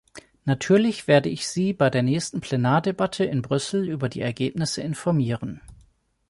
Natürlich werde ich Sie bei der nächsten Plenardebatte in Brüssel über die Ergebnisse informieren.